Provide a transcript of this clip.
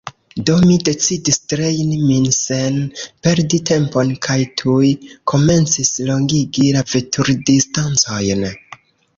Do, mi decidis trejni min sen perdi tempon kaj tuj komencis longigi la veturdistancojn.